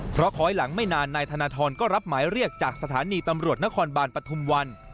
เพราะขอให้หลังไม่นานนายธนทรก็รับหมายเรียกจากสถานีตำรวจนครบาลปฐุมวัน